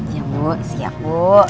iya bu siap bu